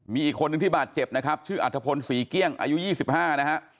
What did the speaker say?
มีอีกคนนึงที่บาดเจ็บนะครับชื่ออัฐพลศรีเกี้ยงอายุ๒๕นะฮะ